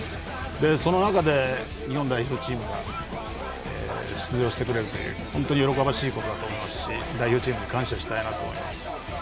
その中で日本代表チームが出場してくれるというのは本当に喜ばしいことだと思いますし代表チームに感謝したいなと思います。